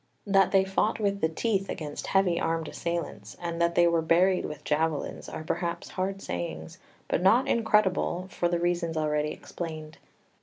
That they fought with the teeth against heavy armed assailants, and that they were buried with javelins, are perhaps hard sayings, but not incredible, for the reasons already explained.